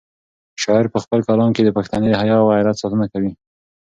شاعر په خپل کلام کې د پښتني حیا او غیرت ساتنه کوي.